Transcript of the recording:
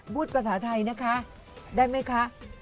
พูดภาษาไทยนะคะได้ไหมคะ